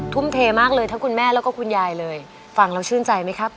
ทุ่มเทมากเลยทั้งคุณแม่แล้วก็คุณยายเลยฟังแล้วชื่นใจไหมครับ